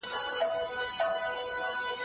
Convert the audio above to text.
زه مسافر جانان په خدای سپارلې يمه